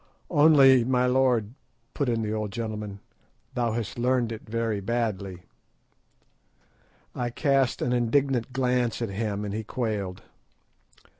"Only, my lord," put in the old gentleman, "thou hast learnt it very badly." I cast an indignant glance at him, and he quailed.